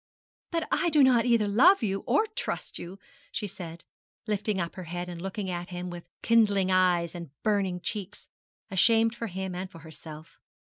'But I do not either love you or trust you,' she said, lifting up her head, and looking at him with kindling eyes and burning cheeks ashamed for him and for herself.